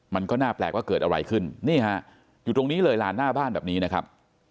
มันก็น่าแปลกว่าเกิดอะไรขึ้นนี่ฮะอยู่ตรงนี้เลยลานหน้าบ้านแบบนี้นะครับ